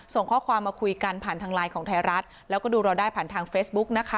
ส่งข้อความมาคุยกันผ่านทางไลน์ของไทยรัฐแล้วก็ดูเราได้ผ่านทางเฟซบุ๊กนะคะ